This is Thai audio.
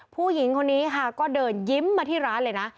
ผู้หญิงคนนี้ค่ะก็เดินยิ้มมาที่ร้านเลยนะ